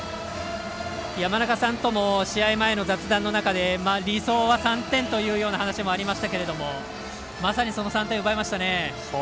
山中さんとも試合前の雑談の中で理想は３点というような話もありましたがまさにその３点、奪いましたね。